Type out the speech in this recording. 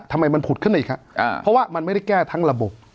ทำไมมันผุดขึ้นอีกครับเพราะว่ามันไม่ได้แก้ทั้งระบบ